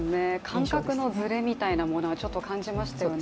感覚のずれみたいなものをちょっと感じましたよね。